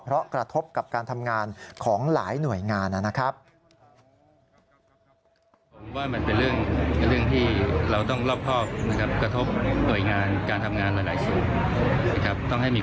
เพราะกระทบกับการทำงานของหลายหน่วยงานนะครับ